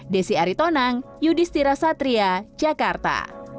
desi aritonang yudhistira satria jakarta